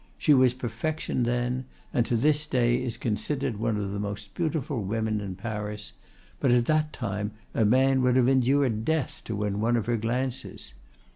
She was perfection then, and to this day is considered one of the most beautiful women in Paris; but at that time a man would have endured death to win one of her glances.